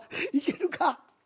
いけるか？